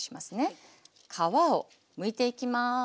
皮をむいていきます。